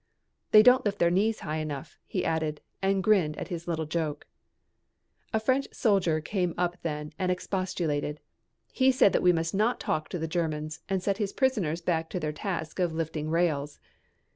"They don't lift their knees high enough," he added and grinned at his little joke. A French soldier came up then and expostulated. He said that we must not talk to the Germans and set his prisoners back to their task of lifting rails.